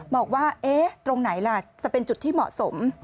บอกว่าตรงไหนล่ะจะเป็นจุดที่เหมาะสม